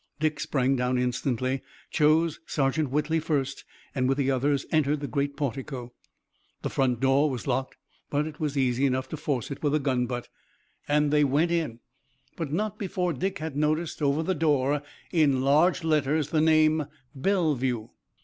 Dick sprang down instantly, chose Sergeant Whitley first and with the others entered the great portico. The front door was locked but it was easy enough to force it with a gun butt, and they went in, but not before Dick had noticed over the door in large letters the name, "Bellevue."